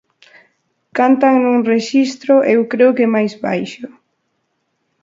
Cantan nun rexistro eu creo que máis baixo.